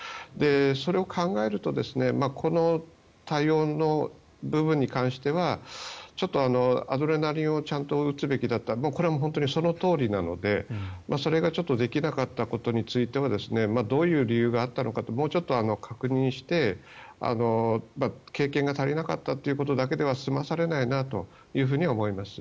それを考えるとこの対応の部分に関してはちょっとアドレナリンをちゃんと打つべきだったこれは本当にそのとおりなのでそれができなかったことについてはどういう理由があったのかもうちょっと確認して経験が足りなかったということだけでは済まされないなと思います。